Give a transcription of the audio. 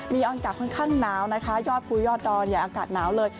มีอากาศค่อนข้างหนาวนะคะยอดภูยอดดอยอากาศหนาวเลย